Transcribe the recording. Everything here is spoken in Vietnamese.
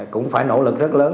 cũng phải nỗ lực rất lớn